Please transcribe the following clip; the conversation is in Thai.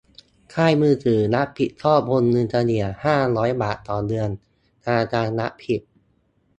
ค่ายมือถือรับผิดชอบวงเงินเฉลี่ยห้าร้อยบาทต่อเดือน ธนาคารรับผิด